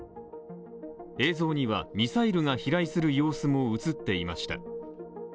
映像には、ミサイルが飛来する様子も映っていました。